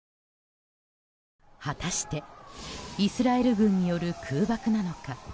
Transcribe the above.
果たして、イスラエル軍による空爆なのか。